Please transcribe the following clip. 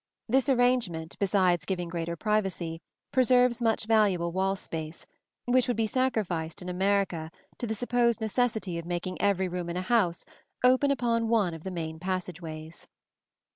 This arrangement, besides giving greater privacy, preserves much valuable wall space, which would be sacrificed in America to the supposed necessity of making every room in a house open upon one of the main passageways.